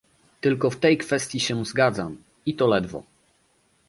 Tylko w tej kwestii się zgadzam, i to ledwo